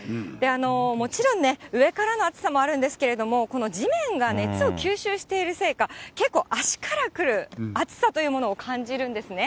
もちろんね、上からの暑さもあるんですけれども、この地面が熱を吸収しているせいか、結構、足から来る暑さというものを感じるんですね。